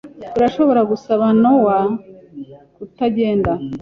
Turashobora gusaba Nowa kutagenda.